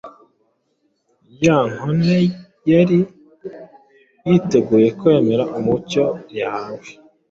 ya nkone yari yiteguye kwemera umucyo yahawe.